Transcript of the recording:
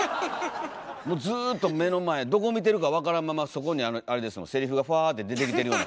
もうずっと目の前どこ見てるか分からんままそこにセリフがふわって出てきてるような。